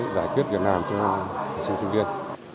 giải quyết việc làm cho trường trung viên